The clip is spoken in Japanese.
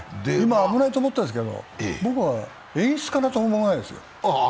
危ないと思ったんですけど、僕は演出かなと思いましたよ。